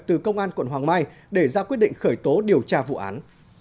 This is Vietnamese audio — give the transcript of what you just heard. từ công an quận hoàng mai để ra quyết định khởi tố điều tra vụ án